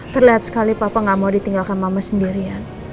terlihat sekali papa gak mau ditinggalkan mama sendirian